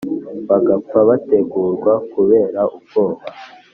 bagapfa batengurwa kubera ubwoba,